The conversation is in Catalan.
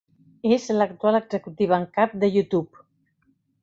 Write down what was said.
És l'actual executiva en cap de YouTube.